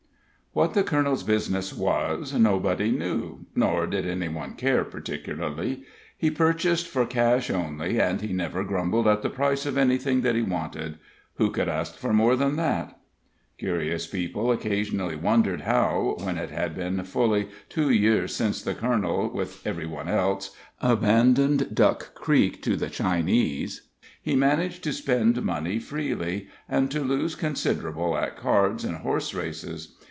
What the colonel's business was nobody knew, nor did any one care, particularly. He purchased for cash only, and he never grumbled at the price of anything that he wanted; who could ask more than that? Curious people occasionally wondered how, when it had been fully two years since the colonel, with every one else, abandoned Duck Creek to the Chinese, he managed to spend money freely, and to lose considerable at cards and horse races.